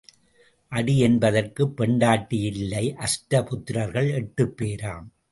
அடி என்பதற்குப் பெண்டாட்டி இல்லை அஷ்ட புத்திரர்கள் எட்டுப்பேராம்.